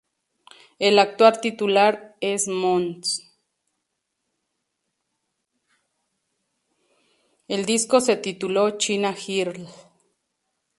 El disco se tituló "China Girl".